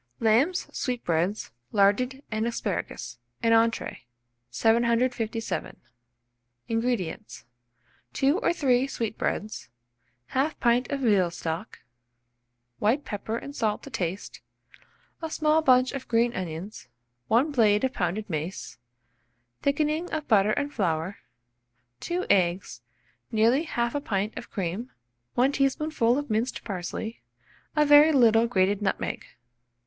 LAMB'S SWEETBREADS, LARDED, AND ASPARAGUS (an Entree). 757. INGREDIENTS. 2 or 3 sweetbreads, 1/2 pint of veal stock, white pepper and salt to taste, a small bunch of green onions, 1 blade of pounded mace, thickening of butter and flour, 2 eggs, nearly 1/2 pint of cream, 1 teaspoonful of minced parsley, a very little grated nutmeg.